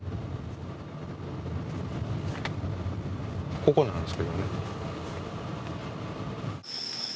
ここなんですけどね。